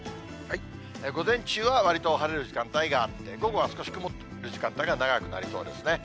午前中はわりと晴れる時間帯があって、午後は少し曇る時間帯が長くなりそうですね。